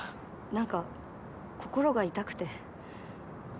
なんか心が痛くて。